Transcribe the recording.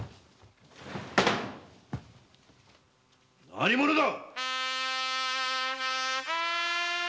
何者だ！